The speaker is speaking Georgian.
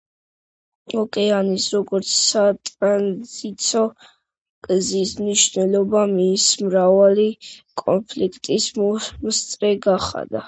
ოკეანის როგორც სატრანზიტო გზის მნიშვნელობამ ის მრავალი კონფლიქტის მომსწრე გახადა.